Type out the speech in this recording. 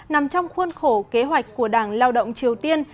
nằm trong khuôn khổ kế hoạch của đảng lao động triều tiên